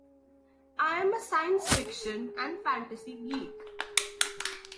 I’m a science fiction and fantasy geek .